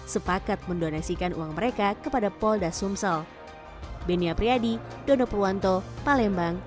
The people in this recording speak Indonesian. sepakat mendonasikan uang mereka kepada polda sumsel